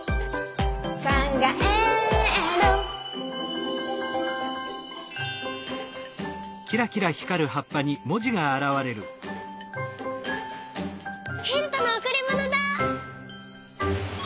「かんがえる」ヒントのおくりものだ。